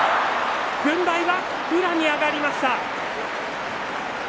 軍配は宇良に上がりました。